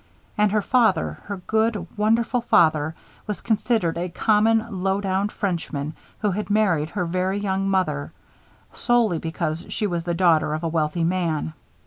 And her father, her good, wonderful father, was considered a common, low down Frenchman, who had married her very young mother solely because she was the daughter of a wealthy man.